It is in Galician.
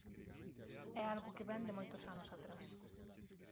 É algo que vén de moitos anos atrás.